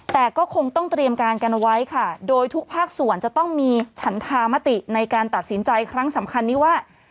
แต่ก็คงต้องเตรียมการกันไว้ค่ะโดยทุกภาคส่วนจะต้องมีฉันธามติในการตัดสินใจครั้งสำคัญนี้ว่า